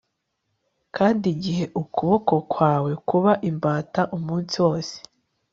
Kandi igihe ukuboko kwawe kuba imbata umunsi wose